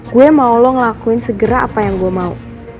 gue mau lo ngelakuin segera apa yang gue mau